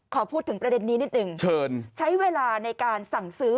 ขอพูดถึงประเด็นนี้นิดหนึ่งเชิญใช้เวลาในการสั่งซื้อ